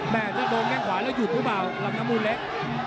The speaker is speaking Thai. แม่จะโดนแม่งขวายแล้วหยุดหรือเปล่าลำนามวุลเล็ก